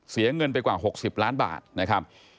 เสียเงินไปกว่า๖๐ล้านบาทนะครับ